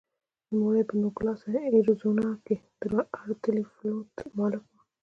نوموړی په نوګالس اریزونا کې د ارټلي فلوټ مالک و.